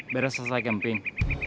barang selesai camping